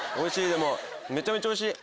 でもめちゃめちゃおいしい！